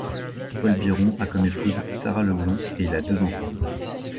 Paul Byron a comme épouse Sarah Leblond et il a deux enfants.